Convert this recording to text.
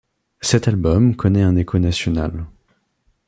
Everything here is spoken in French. Cet album connaît un écho national.